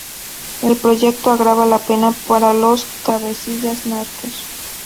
El proyecto agrava la pena para los cabecillas narcos.